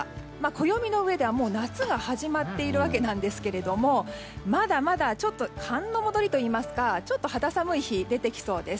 暦の上ではもう夏が始まっているわけですがまだまだちょっと寒の戻りといいますかちょっと肌寒い日が出てきそうです。